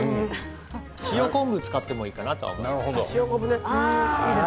塩昆布を使ってもいいと思います。